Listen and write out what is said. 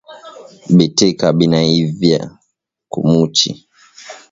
Bitika binaiviya ku muchi